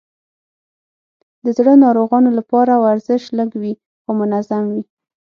د زړه ناروغانو لپاره ورزش لږ وي، خو منظم وي.